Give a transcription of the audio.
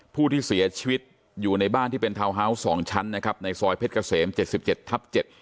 ผู้ที่เสียชีวิตอยู่ในบ้านที่เป็นทาวน์ฮาวส์สองชั้นนะครับในซอยเพชรเกษมเจ็ดสิบเจ็ดทับเจ็ด